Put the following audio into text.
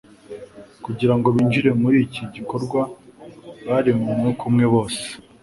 kugira ngo binjire muri iki gikorwa bari mu mwuka umwe bose